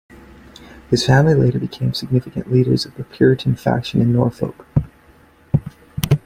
His family later became significant leaders of the Puritan faction in Norfolk.